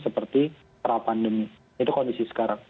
seperti pra pandemi itu kondisi sekarang